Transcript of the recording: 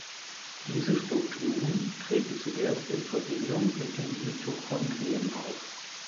Diese Strukturen treten zuerst in Verbindung mit den Mitochondrien auf.